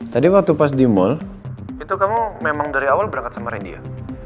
tadi waktu pas di mall itu kamu memang dari awal berangkat sama rendia